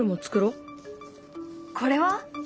これは？